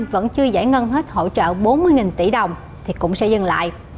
vẫn chưa giải ngân hết hỗ trợ bốn mươi tỷ đồng thì cũng sẽ dừng lại